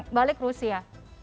atau balik rusia